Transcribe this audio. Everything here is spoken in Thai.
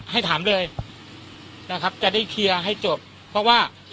ให้ถามเลยนะครับจะได้เคลียร์ให้จบเพราะว่า